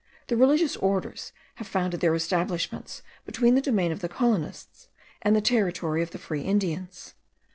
The religious orders have founded their establishments between the domain of the colonists and the territory of the free Indians.